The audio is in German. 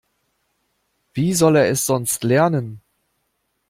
Wie soll er es sonst lernen?